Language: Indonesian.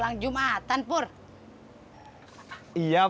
ya udah aku pindah